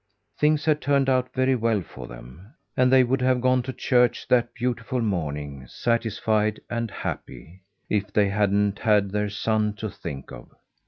Things had turned out very well for them; and they would have gone to church that beautiful morning satisfied and happy if they hadn't had their son to think of.